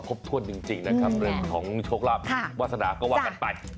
ขอบคุณค่ะขอบคุณค่ะขอบคุณค่ะ